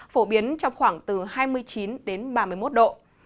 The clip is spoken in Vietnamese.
phổ biến trong khoảng từ hai mươi chín đến ba mươi một độ